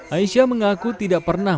aisyah mengaku tidak pernah